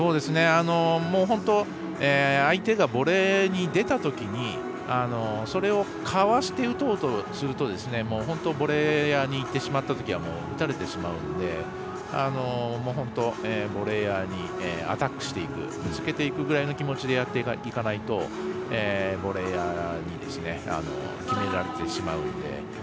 本当に相手がボレーに出たときにそれをかわして打とうとするとボレーヤーにいってしまったときは打たれてしまうので本当ボレーヤーにアタックしていくぶつけていくつもりでやっていかないとボレーヤーに決められてしまうので。